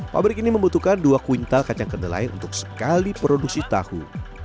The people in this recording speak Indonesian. pabrik ini membutuhkan dua kuintal kacang kedelai untuk sekali produksi tahu